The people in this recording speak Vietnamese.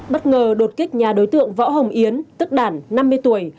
bất ngờ đột kích nhà đối tượng võ hồng yến tức đản năm mươi tuổi